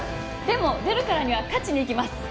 でも出るからには勝ちにいきます。